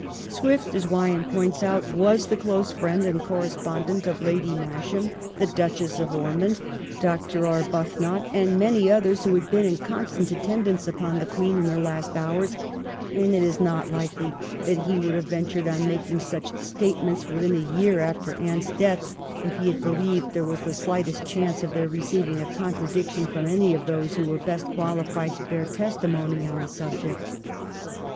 Swift, as Wyon points out, was the close friend and correspondent of Lady 380 THE REIGN OF QUEEN ANNE. ch. xxxix. Masham, the Duchess of Ormond, Dr. Arbuthnot, and many others who had been in constant attend ance upon the Queen in her last hours, and it is not likely that he would have ventured on making such statements within a year after Anne's death if he had believed there was the slightest chance of their receiving a contradiction from any of those who were best qualified to bear testimony on the subject.